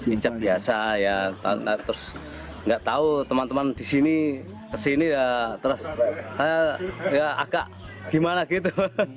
ijab biasa terus gak tahu teman teman di sini ke sini terus agak gimana gitu